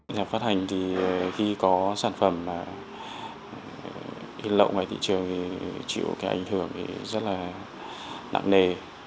nhà phát hành thì khi có sản phẩm in lậu ngoài thị trường thì chịu cái ảnh hưởng rất là nặng nề